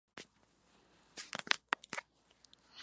Los bosques están formados además por algunos enebros y quejigos.